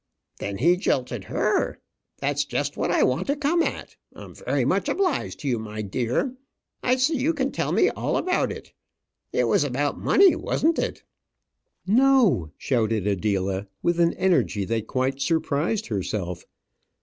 "Then he jilted her. That's just what I want to come at. I'm very much obliged to you, my dear. I see you can tell me all about it. It was about money, wasn't it?" "No," shouted Adela, with an energy that quite surprised herself.